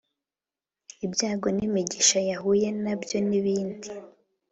ibyago n’imiigisha yahuye na byo n’ibindi